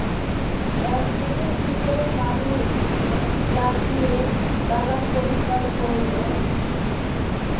এক দিনের ভেতর মালী লাগিয়ে বাগান পরিষ্কার করল।